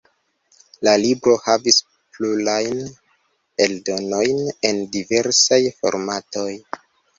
La libro havis plurajn eldonojn en diversaj formatoj.